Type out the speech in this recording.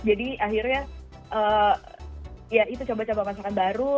jadi akhirnya ya itu coba coba masakan baru